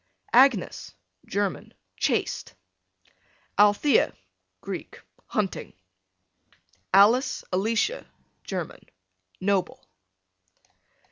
Agnes, German, chaste. Althea, Greek, hunting. Alice, Alicia, German, noble.